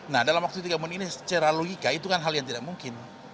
nah dalam waktu tiga menit ini secara logika itu kan hal yang tidak mungkin